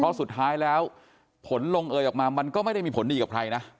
เพราะสุดท้ายแล้วผลลงเอยออกมามันก็ไม่ได้มีผลดีกับใครนะ